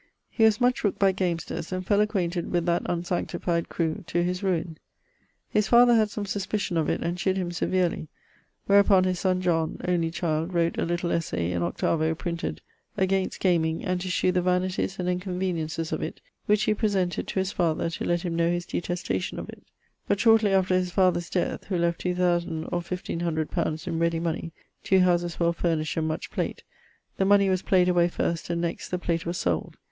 He was much rooked by gamesters, and fell acquainted with that unsanctified crew, to his ruine. His father had some suspition of it, and chid him severely, wherupon his son John (only child) wrot a little essay in 8vo, printed ..., Against[LXII.] gameing and to shew the vanities and inconveniences of it, which he presented to his father to let him know his detestation of it[DT]. But shortly after his father's death[LXIII.] (who left 2,000 or 1,500 li. in ready money, 2 houses well furnished, and much plate) the money was played away first, and next the plate was sold.